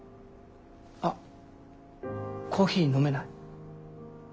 あっコーヒー飲めない？